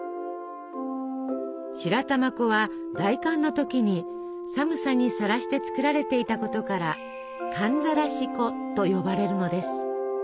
白玉粉は大寒の時に寒さにさらして作られていたことから「寒ざらし粉」と呼ばれるのです。